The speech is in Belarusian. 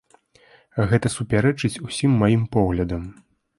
Гэта супярэчыць усім маім поглядам.